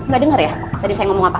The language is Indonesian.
gak dengar ya tadi saya ngomong apa